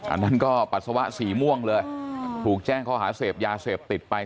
อันนั้นก็ปัสสาวะสีม่วงเลยถูกแจ้งข้อหาเสพยาเสพติดไป